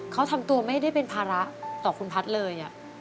เขาทำตัวไม่ได้เป็นภาระต่อคุณพัฒน์เลย